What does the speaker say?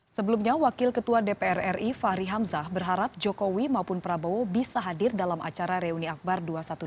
sebelumnya wakil ketua dpr ri fahri hamzah berharap jokowi maupun prabowo bisa hadir dalam acara reuni akbar dua ratus dua belas